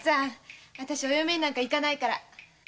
あたしお嫁になんかいかないから。